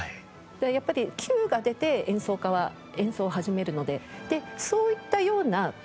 やっぱりキューが出て演奏家は演奏を始めるのででそういったような呼吸感。